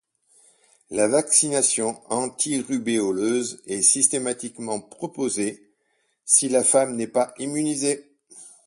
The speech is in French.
La vaccination antirubéoleuse est systématiquement proposée si la femme n'est pas immunisée.